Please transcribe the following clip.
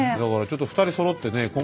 だからちょっと２人そろってね